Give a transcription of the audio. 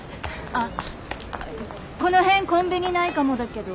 あこの辺コンビニないかもだけど。